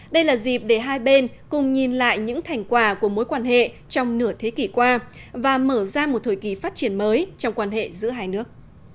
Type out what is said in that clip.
đây là dịp để hai bên cùng nhìn lại những thành quả của mối quan hệ trong nửa thế kỷ qua và mở ra một thời kỳ phát triển mới trong quan hệ giữa hai nước